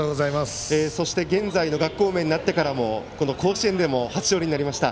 そして現在の学校名になってからも甲子園でも初勝利になりました。